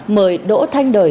mời đỗ thanh đời